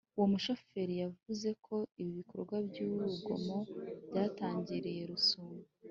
uwo mushoferi yavuze ko ibi bikorwa by’urugomo byatangiriye rusumo